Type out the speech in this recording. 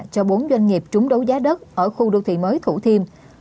cho bốn doanh nghiệp trúng đấu giá đất ở khu đô thị mới thủ thiêm